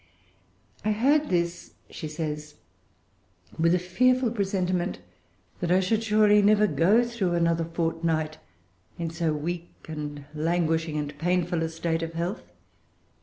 "I heard this," she says, "with a fearful presentiment I should surely never go through another fortnight in so weak and languishing and painful a state of health....